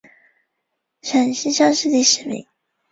陕西乡试第十名。